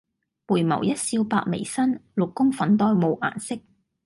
回眸一笑百媚生，六宮粉黛無顏色。